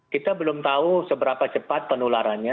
kita belum tahu seberapa cepat penularannya